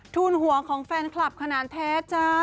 ทูลหัวของแฟนคลับขนาดแท้จ้า